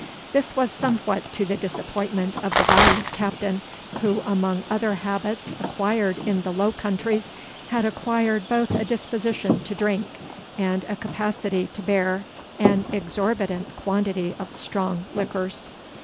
This was somewhat to the disappointment of the valiant Captain, who, among other habits acquired in the Low countries, had acquired both a disposition to drink, and a capacity to bear, an exorbitant quantity of strong liquors.